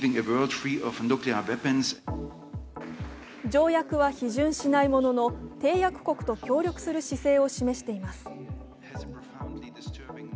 条約は批准しないものの締約国と協力する姿勢を示しています。